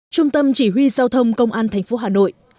trung tâm chỉ huy giao thông công an tp hà nội